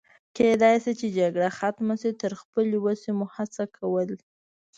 کېدای شي چې جګړه ختمه شي، تر خپلې وسې مو هڅه کول.